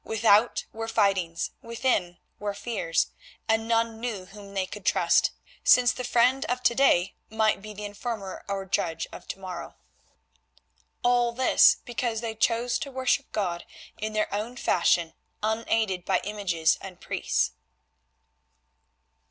Without were fightings, within were fears, and none knew whom they could trust, since the friend of to day might be the informer or judge of to morrow. All this because they chose to worship God in their own fashion unaided by images and priests.